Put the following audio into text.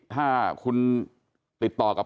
ถ้าคุณติดต่อกับ